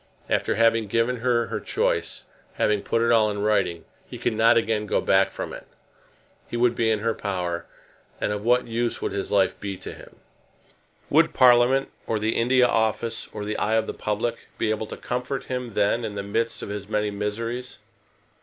After having given her her choice, having put it all in writing, he could not again go back from it. He would be in her power, and of what use would his life be to him? Would Parliament, or the India Office, or the eye of the public be able to comfort him then in the midst of his many miseries?